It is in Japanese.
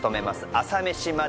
『朝メシまで。』。